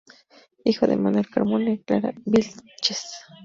Hijo de Manuel Carmona y Clara Vílchez.